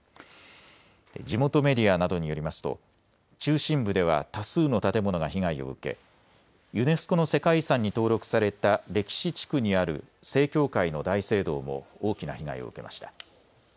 地元メディアなどによりますと中心部では多数の建物が被害を受けユネスコの世界遺産に登録された歴史地区にある正教会の大聖堂も大きな被害を受けました。